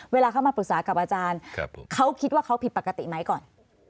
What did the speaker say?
เวลาเขามาปรึกษากับอาจารย์เขาคิดว่าเขาผิดปกติไหมก่อน